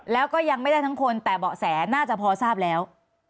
แล้วก็ยังไม่ได้ทั้งคนแต่เบาะแสน่าจะพอทราบแล้ว